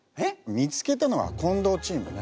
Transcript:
見つけたのは近藤チームね。